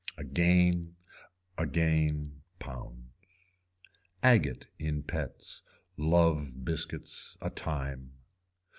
A gain again pounds. Agate in pets, love biscuits, a time.